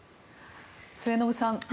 末延さん